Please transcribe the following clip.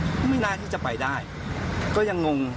ก็ไม่น่าที่จะไปได้ก็ยังงง